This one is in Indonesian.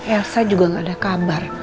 elsa juga nggak ada kabar